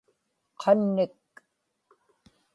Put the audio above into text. qannik